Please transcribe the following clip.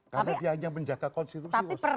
karena dia hanya menjaga konstitusi